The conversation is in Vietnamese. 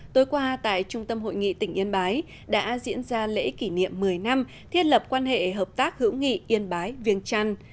tối qua tại trung tâm hội nghị tỉnh yên bái đã diễn ra lễ kỷ niệm một mươi năm thiết lập quan hệ hợp tác hữu nghị yên bái viêng trăn